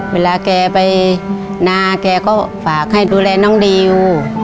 เวลาแกไปนาแกก็ฝากให้ดูแลน้องดิว